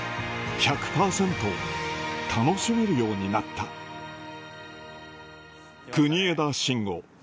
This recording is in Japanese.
１００％楽しめるようになった国枝慎吾